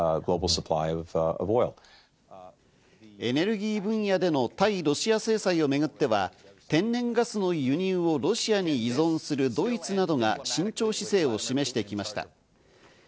エネルギー分野での対ロシア制裁をめぐっては天然ガスの輸入をロシアに依存するドイツなどが慎重姿勢を示してきました。